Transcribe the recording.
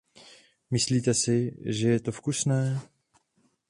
Myslíte si, že je to vkusné?